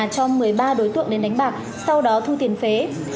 cho một mươi ba đối tượng đến đánh bạc sau đó thu tiền phế